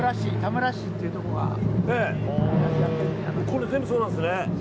これ全部そうなんですね。